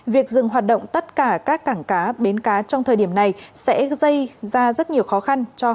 việc dừng hoạt động tất cả các cảng cá bến cá trong thời điểm này sẽ gây ra rất nhiều khó khăn